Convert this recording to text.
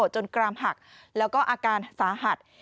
กรามหักแล้วก็อาการสาหัส